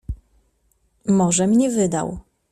"Może mnie wydał."